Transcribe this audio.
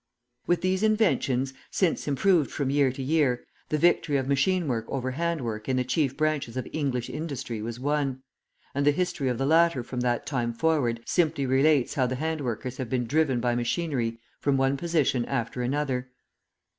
With these inventions, since improved from year to year, the victory of machine work over hand work in the chief branches of English industry was won; and the history of the latter from that time forward simply relates how the hand workers have been driven by machinery from one position after another.